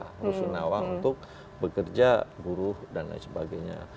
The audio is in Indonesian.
rusun awang untuk bekerja buruh dan lain sebagainya